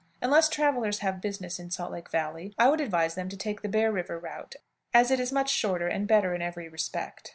Unless travelers have business in Salt Lake Valley, I would advise them to take the Bear River route, as it is much shorter, and better in every respect.